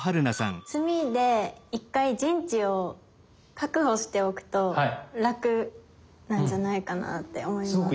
隅で１回陣地を確保しておくと楽なんじゃないかなって思います。